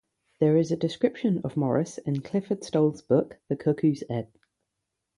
There is a description of Morris in Clifford Stoll's book "The Cuckoo's Egg".